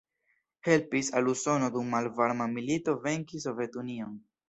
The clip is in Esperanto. Helpis al Usono dum malvarma milito venki Sovetunion.